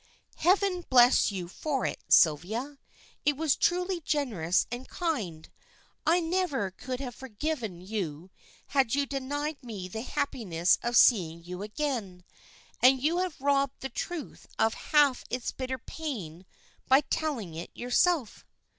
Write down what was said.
"Heaven bless you for it, Sylvia. It was truly generous and kind. I never could have forgiven you had you denied me the happiness of seeing you again, and you have robbed the truth of half its bitter pain by telling it yourself."